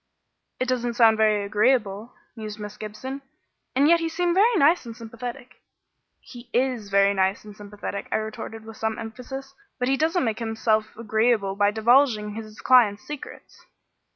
"It doesn't sound very agreeable," mused Miss Gibson; "and yet he seemed very nice and sympathetic." "He is very nice and sympathetic," I retorted with some emphasis, "but he doesn't make himself agreeable by divulging his clients' secrets."